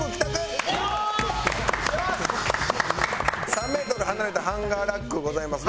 ３メートル離れたハンガーラックございますね。